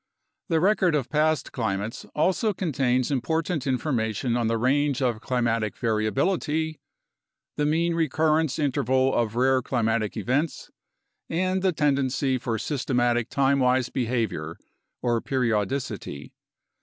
The record of past climates also contains important information on the range of climatic variability, the mean recurrence interval of rare climatic events, and the tendency for systematic time wise behavior or periodicity.